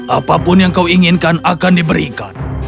apapun yang kau inginkan akan diberikan